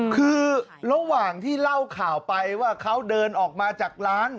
คือระหว่างที่เล่าข่าวไปว่าเขาเดินออกมาจากร้าน